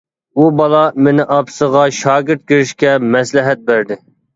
ئۇ بالا مېنى ئاپىسىغا شاگىرت كىرىشكە مەسلىھەت بەردى.